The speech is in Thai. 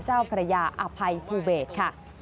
เจ้าพระยาอภัยภูเบศค่ะ